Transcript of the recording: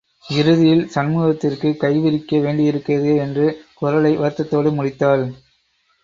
இறுதியில் சண்முகத்திற்கு கைவிரிக்க வேண்டியிருக்கிறதே என்று குரலை வருத்தத்தோடு முடித்தாள்.